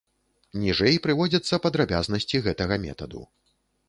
Ніжэй прыводзяцца падрабязнасці гэтага метаду.